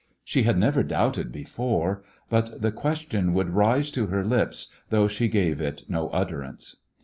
She had never doubted be fore, but the question would rise to her lips, though she gave it no utter ance.